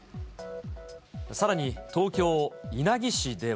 さらに、東京・稲城市では。